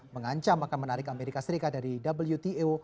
mengancam akan menarik amerika serikat dari wto